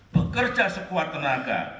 bekerja sekuat tenaga